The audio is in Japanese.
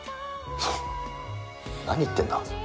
何言ってんだ？